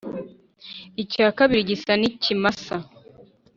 icya kabiri gisa n’ikimasa,